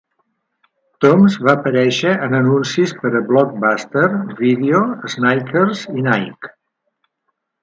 Thoms va aparèixer en anuncis per a Blockbuster Video, Snickers i Nike.